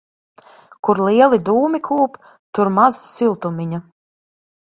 Kur lieli dūmi kūp, tur maz siltumiņa.